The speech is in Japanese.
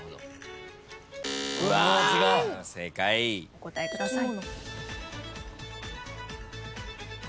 お答えください。